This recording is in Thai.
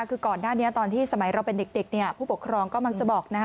คือก่อนหน้านี้ตอนที่สมัยเราเป็นเด็กผู้ปกครองก็มักจะบอกนะฮะ